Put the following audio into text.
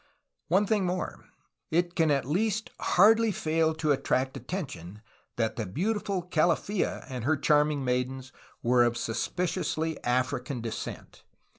One thing more : It can at least hardly fail to attract attention that the beautiful Calaffa and her charming maidens were of suspiciously African descent.